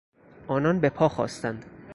آنان بهپا خاستند.